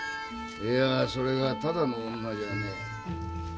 いやそれがただの女じゃねえ。